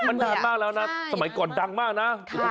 วันนี้ชั้นเคยไปตั้งแต่เด็ก